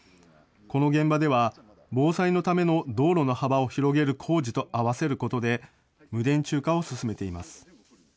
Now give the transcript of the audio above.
この現場では、防災のための道路の幅を広げる工事と合わせることで、無電柱化を進めています。